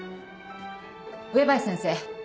上林先生